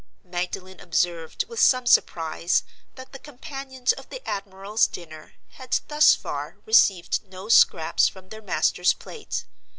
Magdalen observed with some surprise that the companions of the admiral's dinner had, thus far, received no scraps from their master's plate.